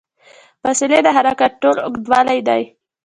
فاصلې د حرکت ټول اوږدوالی دی.